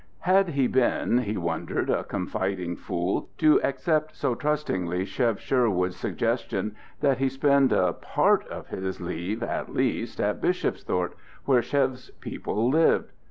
Had he been, he wondered, a confiding fool, to accept so trustingly Chev Sherwood's suggestion that he spend a part of his leave, at least, at Bishopsthorpe, where Chev's people lived?